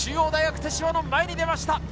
中央大学・手島の前に出ました。